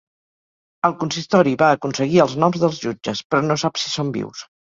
El consistori va aconseguir els noms dels jutges, però no sap si són vius.